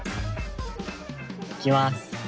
いきます。